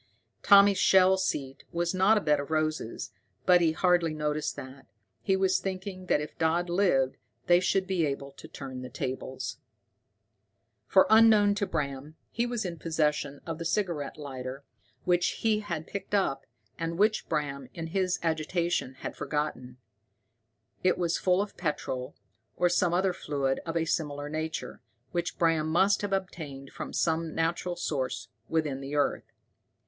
Tommy's shell seat was not a bed of roses, but he hardly noticed that. He was thinking that if Dodd lived they should be able to turn the tables. For, unknown to Bram, he was in possession of the cigarette lighter which he had picked up, and which Bram, in his agitation, had forgotten. It was full of petrol, or some other fluid of a similar nature, which Bram must have obtained from some natural source within the earth.